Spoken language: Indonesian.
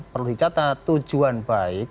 perlu dicatat tujuan baik